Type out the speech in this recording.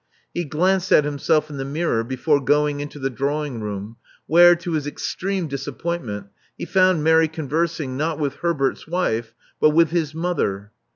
He glanced at himself in the mirror before going into the drawing room, where, to his extreme disappointment, he found Mary conversing, not with Herbert's wife, but with his mother.